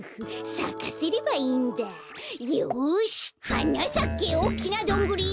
「はなさけおっきなどんぐり！」